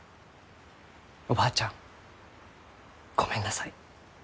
おばあちゃんごめんなさい。